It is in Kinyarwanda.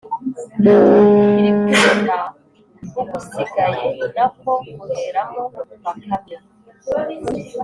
irikubita ugusigaye na ko guheramo. bakame